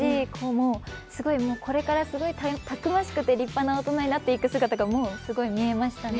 もうこれからすごいたくましくて立派な大人になっていく姿が見えましたね。